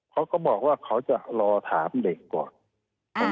เขาก็บอกว่าเขาจะรอถามเด็กก่อน